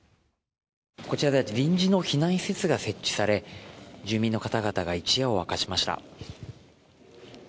こちらでは、臨時の避難施設が設置され住民の方々が一夜を明かしました。